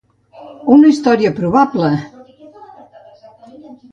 Una història probable!